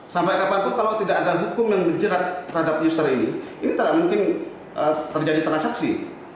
sampai kapanpun kalau tidak ada hukum yang menjerat terhadap user ini ini tidak mungkin terjadi transaksi